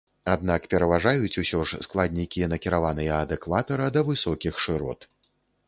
Аднак пераважаюць ўсё ж складнікі, накіраваныя ад экватара да высокіх шырот.